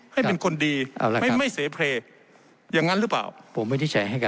ให้เป็นคนดีไม่เสพเลอย่างนั้นหรือเปล่า